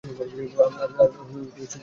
আর শম্ভুকে গিয়ে কী বলবো?